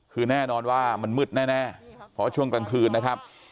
คือแน่นอนว่ามันมืดแน่เพราะช่วงกลางคืนนะครับ